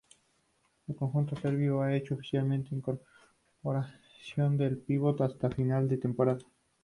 El conjunto serbio ha hecho oficial la incorporación del pívot hasta final de temporada.